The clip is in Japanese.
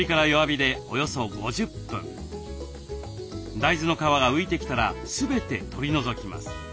大豆の皮が浮いてきたら全て取り除きます。